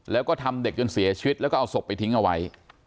แล้วก็ทำเด็กจนเสียชีวิตแล้วก็เอาศพไปทิ้งเอาไว้